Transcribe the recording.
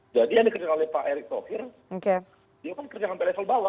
jadi yang dikerjakan oleh pak erick tauhir dia kan kerja sampai level bawah